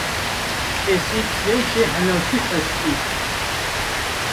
Esê çûye jê helaltî xwestiye